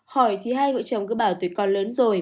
hỏi thì hai vợ chồng cứ bảo tuyệt con lớn rồi